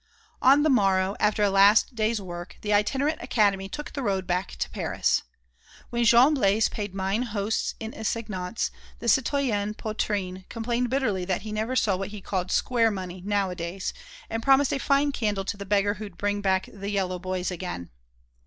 On the morrow, after a last day's work, the itinerant Academy took the road back to Paris. When Jean Blaise paid mine host in assignats, the citoyen Poitrine complained bitterly that he never saw what he called "square money" nowadays, and promised a fine candle to the beggar who'd bring back the "yellow boys" again.